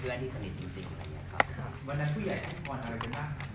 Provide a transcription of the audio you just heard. วันนั้นผู้ใหญ่ให้พรอะไรเป็นคะ